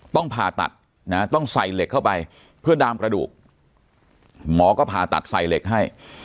ต้องผ่าตัดนะต้องใส่เหล็กเข้าไปเพื่อดามกระดูกหมอก็ผ่าตัดใส่เหล็กให้